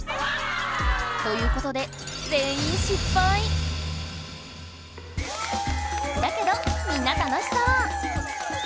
ということでだけどみんな楽しそう！